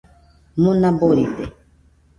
Mona boride